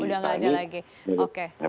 udah gak ada lagi oke